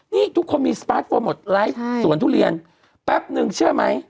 นี่ทุกคนมีสปาร์ทโฟร์หมดไลฟ์สวนทุเรียนแป๊บนึงเชื่อไหม